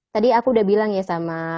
tadi aku udah bilang ya sama